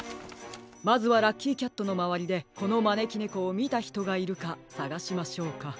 まずはラッキーキャットのまわりでこのまねきねこをみたひとがいるかさがしましょうか。